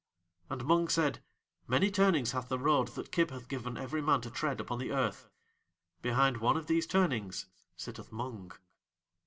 And Mung said: "Many turnings hath the road that Kib hath given every man to tread upon the earth. Behind one of these turnings sitteth Mung."